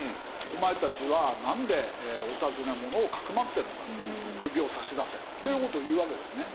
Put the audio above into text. お前たちはなんでお尋ね者をかくまってるんだと首を差し出せっていう事を言うわけですね。